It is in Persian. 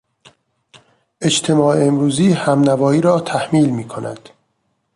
اجتماع امروزی همنوایی را تحمیل میکند.